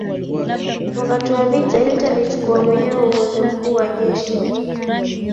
Wakati wa vita Hitler alichukua mwenyewe uongozi mkuu wa jeshi.